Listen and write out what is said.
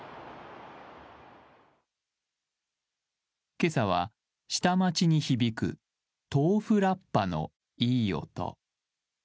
今朝は下町に響く豆腐ラッパのいい音。